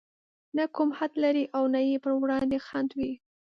نه کوم حد لري او نه يې پر وړاندې خنډ وي.